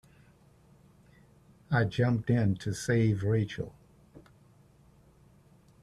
I jumped in to save Rachel.